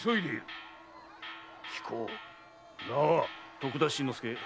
徳田新之助。